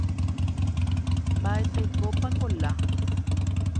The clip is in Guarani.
Mba'etekópa Kola